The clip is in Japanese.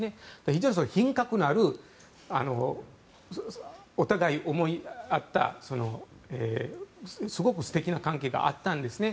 非常に品格のあるお互い、思い合ったすごく素敵な関係があったんですね。